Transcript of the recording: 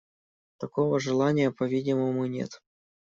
Такого желания, по-видимому, нет.